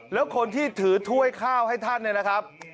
แล้วคนที่ถือถ้วยข้าวให้ท่านเนี่ยนะครับ